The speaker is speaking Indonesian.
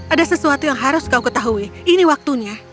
ada sesuatu yang harus kau ketahui ini waktunya